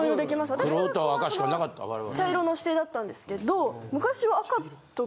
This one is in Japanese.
私の学校は茶色の指定だったんですけど。